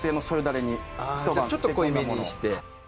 じゃちょっと濃いめにして？